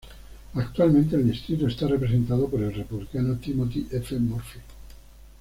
Actualmente el distrito está representado por el Republicano Timothy F. Murphy.